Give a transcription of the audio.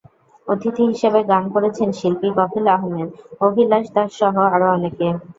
অতিথি হিসেবে গান করেছেন শিল্পী কফিল আহমেদ, অভিলাষ দাসসহ আরও অনেকে।